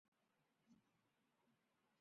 回荡在空中